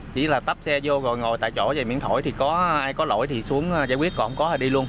chỉ là tắp xe vô rồi ngồi tại chỗ vậy miễn thổi thì có ai có lỗi thì xuống giải quyết còn không có thì đi luôn